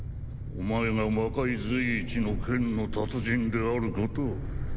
お前が魔界随一の剣の達人であることを。